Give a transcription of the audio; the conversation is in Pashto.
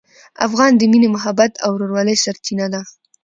افغان د مینې، محبت او ورورولۍ سرچینه ده.